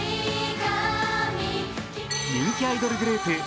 人気アイドルグループ